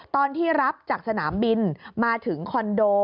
ตอนที่รับจากสนามบินมาถึงคอนโด